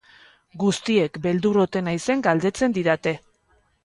Guztiek beldur ote naizen galdetzen didate.